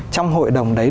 trong hội đồng đấy